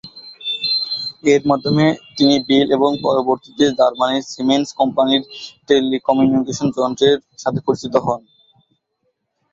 এর মাধ্যমে তিনি বেল এবং পরবর্তিতে জার্মানীর সিমেন্স কোম্পানীর টেলিকমিউনিকেশন যন্ত্রের সাথে পরিচিত হন।